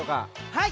はい。